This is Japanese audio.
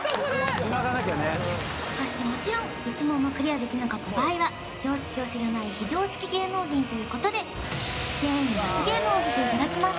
つながなきゃねそしてもちろん１問もクリアできなかった場合は常識を知らない非常識芸能人ということで全員に罰ゲームを受けていただきます